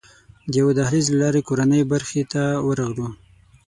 د یوه دهلېز له لارې کورنۍ برخې ته ورغلو.